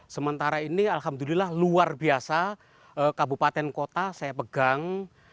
sementara ini alhamdulillah luar biasa kabupaten kota saya pegang